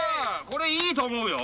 これいいと思うよ。